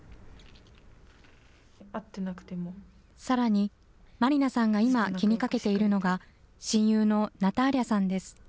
さらに、マリナさんが今、気にかけているのが、親友のナターリャさんです。